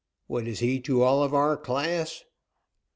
What is he to all of our class?"